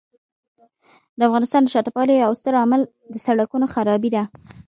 د افغانستان د شاته پاتې والي یو ستر عامل د سړکونو خرابي دی.